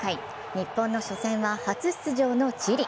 日本の初戦は初出場のチリ。